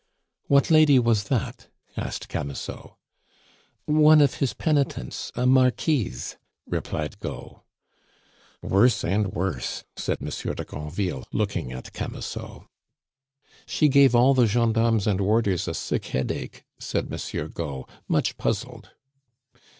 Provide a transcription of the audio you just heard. "What lady was that!" asked Camusot. "One of his penitents a Marquise," replied Gault. "Worse and worse!" said Monsieur de Granville, looking at Camusot. "She gave all the gendarmes and warders a sick headache," said Monsieur Gault, much puzzled.